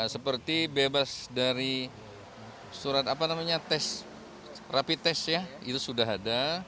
seperti bebas dari surat rapi tes ya itu sudah ada